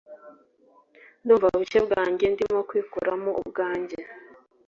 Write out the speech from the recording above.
Ndumva buke bwanjye ndimo kwikuramo ubwanjye